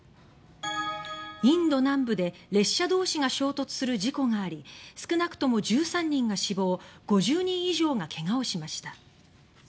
インド南部で列車同士が衝突する事故があり少なくとも１３人が死亡５０人以上が怪我をしました。